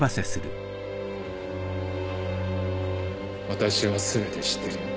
私は全て知ってるよ。